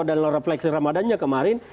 dan refleksi ramadannya kemarin